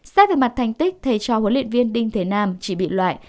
xét về mặt thành tích thầy cho huấn luyện viên đinh thế nam chỉ bị loại